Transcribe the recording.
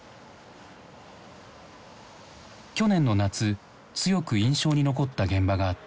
去年の夏強く印象に残った現場があった。